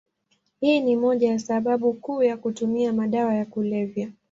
Hii ni moja ya sababu kuu ya kutumia madawa ya kulevya.